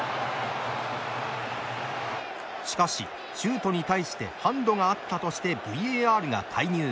しかし、シュートに対してハンドがあったとしてＶＡＲが介入。